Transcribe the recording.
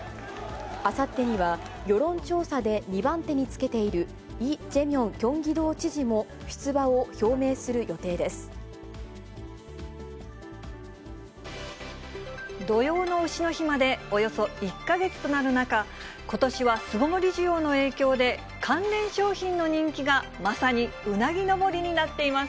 あさってには、世論調査で２番手につけているイ・ジェミョンキョンギ道知事も出土用のうしの日まで、およそ１か月となる中、ことしは巣ごもり需要の影響で、関連商品の人気がまさにうなぎ登りになっています。